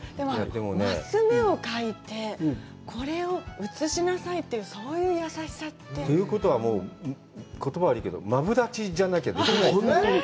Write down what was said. マス目を描いて、これを写しなさいというそういう優しさって、ということはもう、言葉悪いけど、まぶだちじゃなきゃ、できない。